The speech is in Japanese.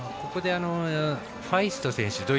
ここでファイスト選手